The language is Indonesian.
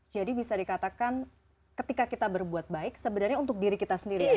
jadi bisa dikatakan ketika kita berbuat baik sebenarnya untuk diri kita sendiri ya